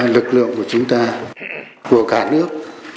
lực lượng của chúng ta của cả nước